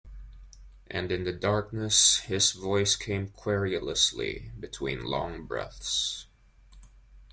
And in the darkness his voice came querulously between long breaths.